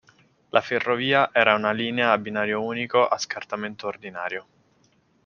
La ferrovia era una linea a binario unico a scartamento ordinario.